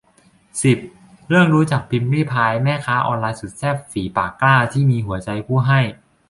สิบ เรื่องรู้จัก พิมรี่พาย แม่ค้าออนไลน์สุดแซ่บ ฝีปากกล้า ที่มีหัวใจผู้ให้